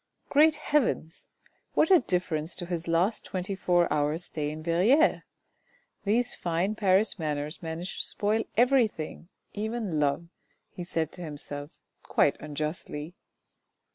Great heavens ! what a difference to his last twenty four hours' stay in Verrieres. These fine Paris manners manage to spoil everything, even love, he said to himself, quite unjustly.